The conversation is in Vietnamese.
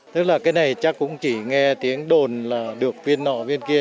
thế là cái này chắc cũng chỉ nghe tiếng đồn là được viên nọ viên kia